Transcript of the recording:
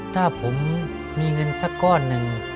ถ้าผมมีเงินสักก้อนหนึ่ง